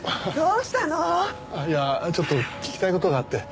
いやちょっと聞きたい事があって。